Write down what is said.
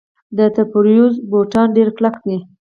د تبریز بوټان ډیر کلک دي.